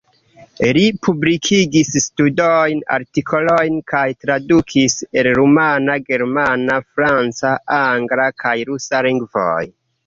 Li publikigis studojn, artikolojn kaj tradukis el rumana, germana, franca, angla kaj rusa lingvoj.